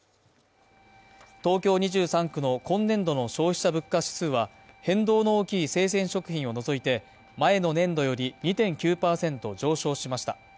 東京２３区の今年度の消費者物価指数は、変動の大きい生鮮食品を除いて前の年度より２．９％上昇しました。